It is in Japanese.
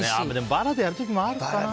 バラでやる時もあるかな。